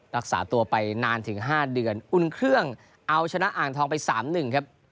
รักษาตัวไปนานถึง๕เดือนอุ่นเครื่องเอาชนะอ่างทองไป๓๑ครับ